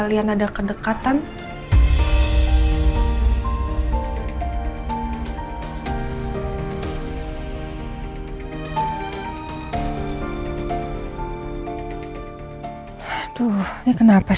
silahkan mbak mbak